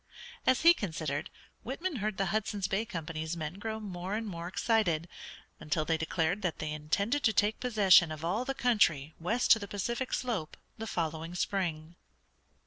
As he considered, Whitman heard the Hudson's Bay Company's men grow more and more excited, until they declared that they intended to take possession of all the country west to the Pacific slope the following spring.